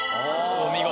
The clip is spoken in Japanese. お見事。